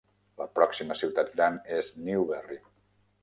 La pròxima ciutat gran és Newberry.